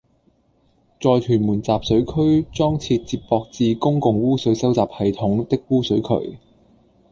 在屯門集水區裝設接駁至公共污水收集系統的污水渠